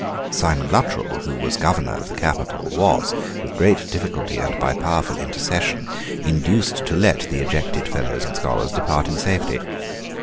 Simon Luttrell, who was Governor of the capital, was, with great difficulty and by powerful intercession, induced to let the ejected fellows and scholars depart in safety.